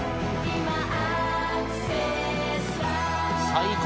最高。